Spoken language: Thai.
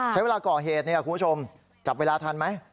ใช้เวลาก่อเหตุเนี่ยคุณผู้ชมจับเวลาทันไหม